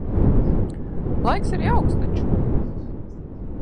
Laiks ir jauks taču.